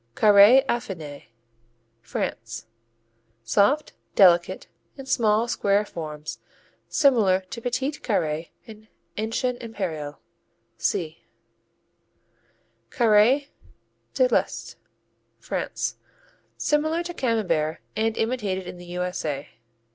Carré Affiné France Soft, delicate, in small square forms; similar to Petit Carré and Ancien Impérial (see). Carré de l'Est France Similar to Camembert, and imitated in the U.S.A.